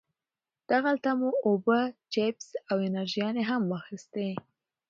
دغلته مو اوبه، چپس او انرژيانې هم واخيستې.